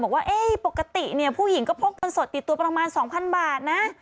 บอกว่าปกติเนี่ยผู้หญิงก็พกเงินสดติดตัวประมาณ๒๐๐บาทนะ